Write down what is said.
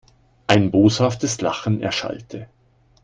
Ein boshaftes Lachen erschallte.